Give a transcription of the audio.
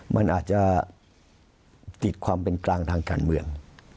มันอาจจะติดความเป็นกลางทางการเมือง